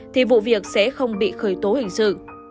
thì vụ việc sẽ không bị khởi tố hình sự